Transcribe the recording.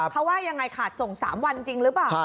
เขาว่ายังไงขาดส่ง๓วันจริงหรือเปล่า